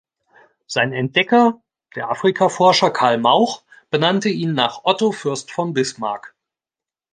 Sein Entdecker, der Afrikaforscher Karl Mauch, benannte ihn nach Otto Fürst von Bismarck.